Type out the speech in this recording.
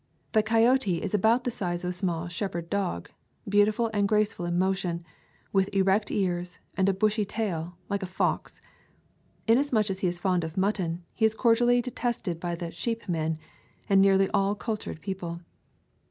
The coyote is about the size of a small shepherd dog, beautiful and graceful in motion, with erect ears, and a bushy tail, like a fox. Inas much as he is fond of mutton, he is cordially detested by "sheep men" and nearly all cul tured people.